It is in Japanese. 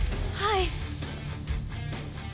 はい。